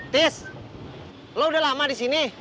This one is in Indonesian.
tis lo udah lama di sini